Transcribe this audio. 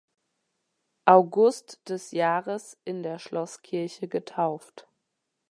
August des Jahres in der Schlosskirche getauft.